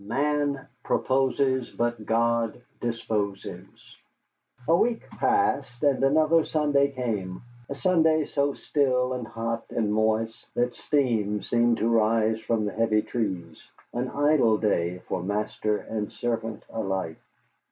MAN PROPOSES, BUT GOD DISPOSES A week passed, and another Sunday came, a Sunday so still and hot and moist that steam seemed to rise from the heavy trees, an idle day for master and servant alike.